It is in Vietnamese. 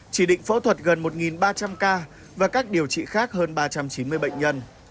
chỉ định phẫu thuật gần một ba trăm linh ca và các điều trị khác hơn ba trăm chín mươi bệnh nhân